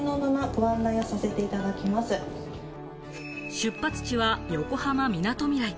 出発地は横浜みなとみらい。